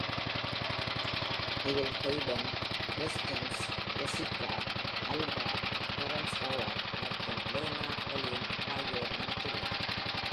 இதில் Hayden Christensen, Jessica Alba, Terrence Howard மற்றும் Lena Olin ஆகியோர் நடித்துள்ளனர்.